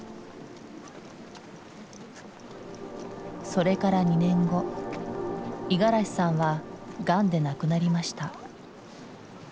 それから２年後五十嵐さんはガンで亡くなりました。